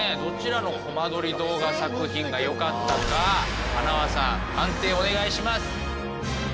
どちらのコマ撮り動画作品がよかったか塙さん判定お願いします。